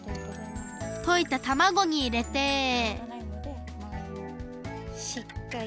といたたまごにいれてしっかりと。